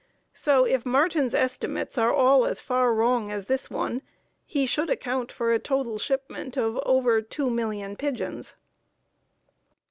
So if Martin's estimates are all as far wrong as this one, he should account for a total shipment of over 2,000,000 pigeons.